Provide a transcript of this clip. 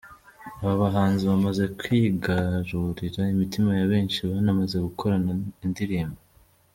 Aba bahanzi bamaze kwigarurira imitima ya benshi banamaze gukorana indirimbo.